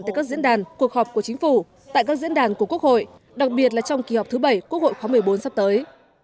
tại các diễn đàn cuộc họp của chính phủ tại các diễn đàn của quốc hội đặc biệt là trong kỳ họp thứ bảy quốc hội khóa một mươi bốn sắp tới